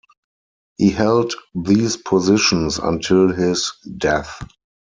He held these positions until his death.